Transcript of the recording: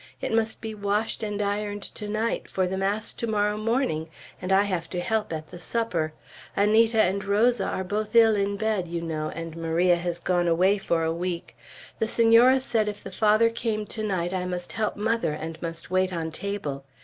It must be washed and ironed to night, for the mass to morrow morning, and I have to help at the supper. Anita and Rosa are both ill in bed, you know, and Maria has gone away for a week. The Senora said if the Father came to night I must help mother, and must wait on table.